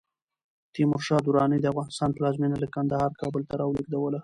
تیمور شاه دراني د افغانستان پلازمېنه له کندهاره کابل ته راولېږدوله.